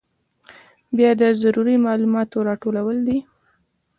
بیا د ضروري معلوماتو راټولول دي.